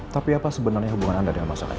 tapi apa sebenarnya hubungan anda dengan masalah ini